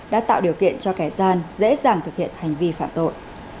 đã tạo điều kiện cho kẻ gian dễ dàng thực hiện hành vi phạm tội